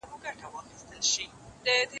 زه به د لغتونو زده کړه کړې وي!؟